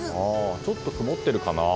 ちょっと曇ってるかな。